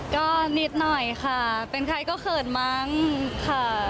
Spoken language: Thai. ก็นิดหน่อยค่ะเป็นใครก็เขินมั้งค่ะ